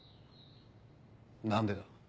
何でだ？